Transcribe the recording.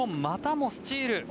またもスチール。